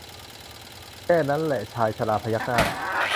แค่นั้นแหละชายชราพยักหน้า